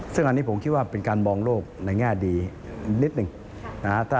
ซึ่งอันนี้ผมคิดว่าเป็นการมองโลกในแง่ดีนิดหนึ่งนะฮะ